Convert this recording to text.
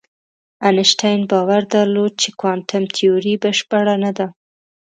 انشتین باور درلود چې کوانتم تیوري بشپړه نه ده.